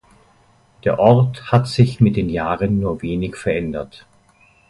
Der Ort hat sich mit den Jahren nur wenig verändert.